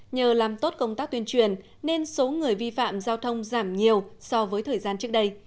nhờ làm tốt công tác tuyên truyền nên số người vi phạm giao thông giảm nhiều so với thời gian trước đây